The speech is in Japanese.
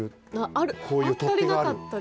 あったりなかったり。